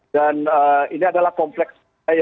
dan ini adalah kompleks